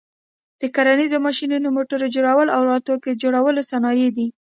د کرنیز ماشینو، موټر جوړلو او الوتکي جوړلو صنایع دي.